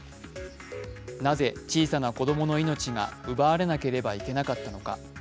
なぜ小さな子供の命が奪われなければいけなかったのか。